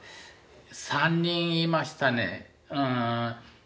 ３人いましたねうん。